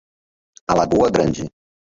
Alagoa Grande